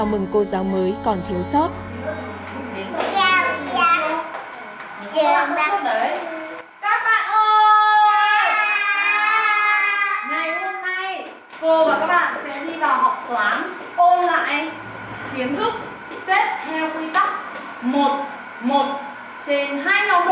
miêu cô cơ sở mỹ đình